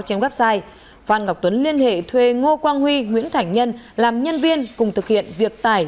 trên website phan ngọc tuấn liên hệ thuê ngô quang huy nguyễn thảnh nhân làm nhân viên cùng thực hiện việc tải